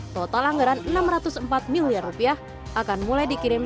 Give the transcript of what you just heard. total anggaran rp enam ratus empat miliar rupiah akan mulai dikirim